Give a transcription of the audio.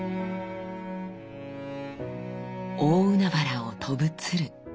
大海原を飛ぶ鶴。